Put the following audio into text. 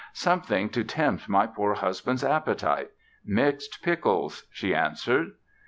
"Something to tempt my poor husband's appetite—mixed pickles", she answered.